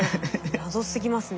謎すぎますね。